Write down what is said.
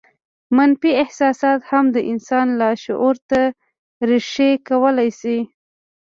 منفي احساسات هم د انسان لاشعور ته رېښې کولای شي